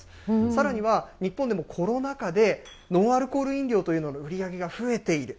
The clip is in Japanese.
さらには、日本でもコロナ禍でノンアルコール飲料の売り上げが増えている。